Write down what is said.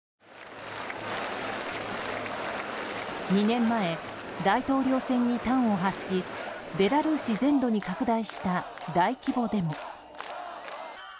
２年前、大統領選に端を発しベラルーシ全土に拡大した大規模デモ。